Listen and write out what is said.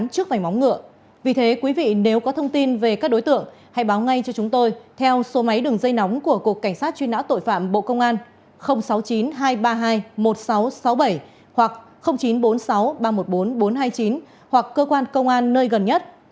thưa quý vị nếu có thông tin về các đối tượng hãy báo ngay cho chúng tôi theo số máy đường dây nóng của cục cảnh sát truy nã tội phạm bộ công an sáu mươi chín hai trăm ba mươi hai một nghìn sáu trăm sáu mươi bảy hoặc chín trăm bốn mươi sáu ba trăm một mươi bốn bốn trăm hai mươi chín hoặc cơ quan công an nơi gần nhất